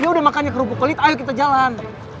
ya udah makannya kerubuk kulit ayo kita jalan